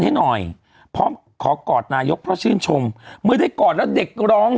ให้หน่อยพร้อมขอกอดนายกเพราะชื่นชมเมื่อได้กอดแล้วเด็กร้อง